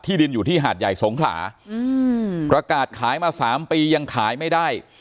ดินอยู่ที่หาดใหญ่สงขลาประกาศขายมา๓ปียังขายไม่ได้